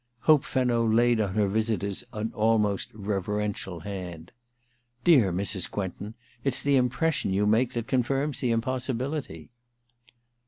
Hope Fenno laid on her visitor's an almost reverential hand. *Dear Mrs. Quentin, it's the impression you make that confirms the impossibility.'